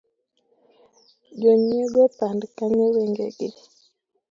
jonyiego opand kanye wangegi?